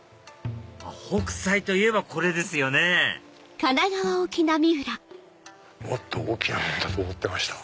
北斎といえばこれですよねもっと大きなものだと思ってた。